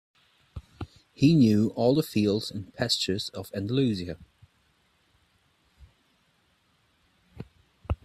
He knew all the fields and pastures of Andalusia.